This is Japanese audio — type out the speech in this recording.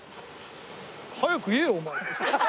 早く言えよお前。